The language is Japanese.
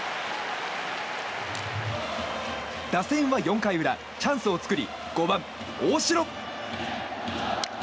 打線は４回裏、チャンスを作り５番、大城。